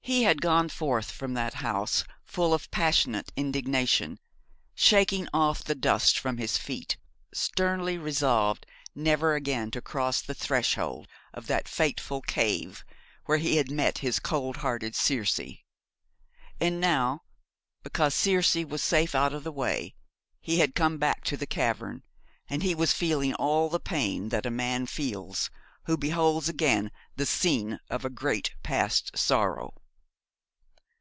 He had gone forth from that house full of passionate indignation, shaking off the dust from his feet, sternly resolved never again to cross the threshold of that fateful cave, where he had met his cold hearted Circe. And now, because Circe was safe out of the way, he had come back to the cavern; and he was feeling all the pain that a man feels who beholds again the scene of a great past sorrow.